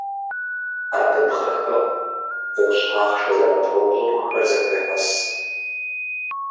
Абы бгъэхэӏу, гъущӏ ахъшэ зэмылӏэужьыгъуэхэр зэхуехьэс.